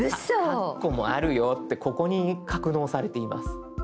カッコもあるよってここに格納されています。